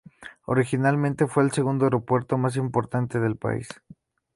Originalmente fue el segundo aeropuerto más importante del país.